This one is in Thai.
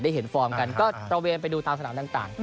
เห็นฟอร์มกันก็ตระเวนไปดูตามสนามต่าง